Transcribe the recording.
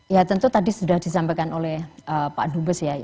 ya tentu tadi sudah disampaikan oleh pak dubes ya